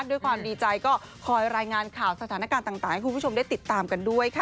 ด้วยความดีใจก็คอยรายงานข่าวสถานการณ์ต่างให้คุณผู้ชมได้ติดตามกันด้วยค่ะ